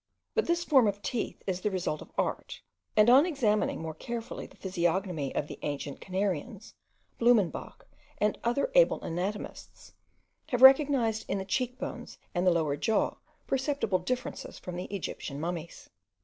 But this form of teeth is the result of art; and on examining more carefully the physiognomy of the ancient Canarians, Blumenbach and other able anatomists have recognized in the cheek bones and the lower jaw perceptible differences from the Egyptian mummies.